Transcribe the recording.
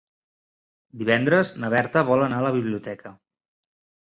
Divendres na Berta vol anar a la biblioteca.